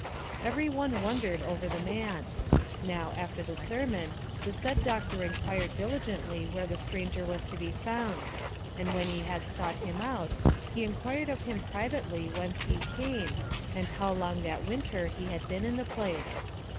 "Every one wondered over the man. Now, after the sermon, the said Doctor inquired diligently where the stranger was to be found; and when he had sought him out, he inquired of him privately whence he came, and how long that winter he had been in the place.